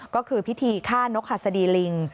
ก็คือพิธีฆ่านกหัสดีลิง